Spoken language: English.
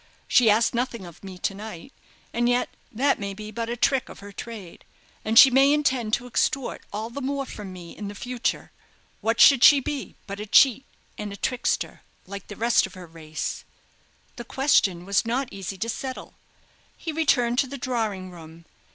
She asked nothing of me to night; and yet that may be but a trick of her trade, and she may intend to extort all the more from me in the future. What should she be but a cheat and a trickster, like the rest of her race?" The question was not easy to settle. He returned to the drawing room.